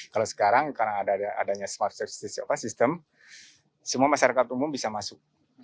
kalau sekarang karena adanya smart service system semua masyarakat umum bisa masuk